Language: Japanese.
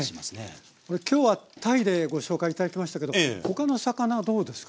これ今日は鯛でご紹介頂きましたけど他の魚どうですか？